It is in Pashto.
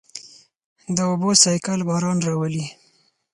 د اوبو سائیکل باران راولي.